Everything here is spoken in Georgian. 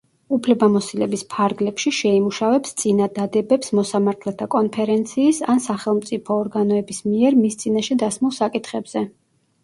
უფლებამოსილების ფარგლებში შეიმუშავებს წინადადებებს მოსამართლეთა კონფერენციის ან სახელმწიფო ორგანოების მიერ მის წინაშე დასმულ საკითხებზე.